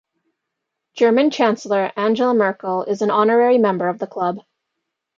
German Chancellor Angela Merkel is an honorary member of the club.